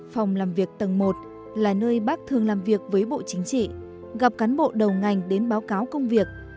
phòng làm việc tầng một là nơi bác thường làm việc với bộ chính trị gặp cán bộ đầu ngành đến báo cáo công việc